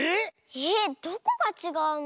えっどこがちがうの？